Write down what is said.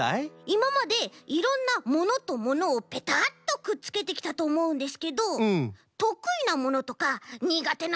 いままでいろんなものとものをぺたっとくっつけてきたとおもうんですけどとくいなものとかにがてなものってあるんですか？